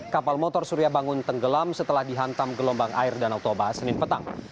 kapal motor surya bangun tenggelam setelah dihantam gelombang air danau toba senin petang